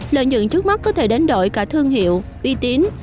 lợi nhuận trước mắt có thể đánh đổi cả thương hiệu uy tín